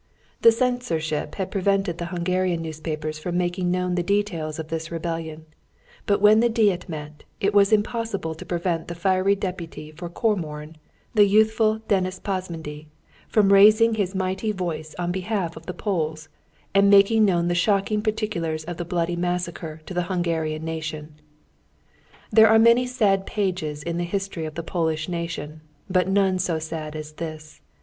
The censorship had prevented the Hungarian newspapers from making known the details of this rebellion, but when the Diet met, it was impossible to prevent the fiery deputy for Comorn, the youthful Denis Pazmandy, from raising his mighty voice on behalf of the Poles, and making known the shocking particulars of the bloody massacre to the Hungarian nation. There are many sad pages in the history of the Polish nation, but none so sad as this.